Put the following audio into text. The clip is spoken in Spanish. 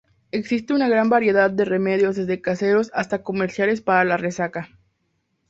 Existen una gran variedad de remedios desde caseros hasta comerciales para la resaca.